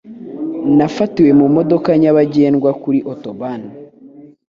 Nafatiwe mu modoka nyabagendwa kuri Autobahn